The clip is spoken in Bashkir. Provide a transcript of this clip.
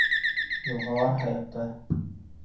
Йылғалар һайыҡты.